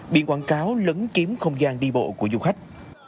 biển quảng cáo lấn chiếm không gian đi bộ của du khách